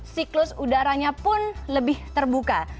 siklus udaranya pun lebih terbuka